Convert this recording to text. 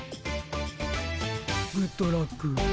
グッドラック。